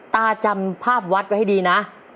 ตาจำภาพวัดไว้ดีนะ